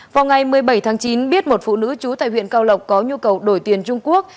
vào ngày một mươi bảy tháng chín biết một phụ nữ trú tại huyện cao lộc có nhu cầu đổi tiền trung quốc